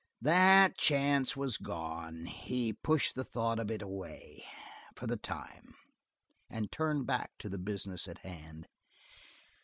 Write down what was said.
That chance was gone; he pushed the thought of it away for the time and turned back to the business at hand.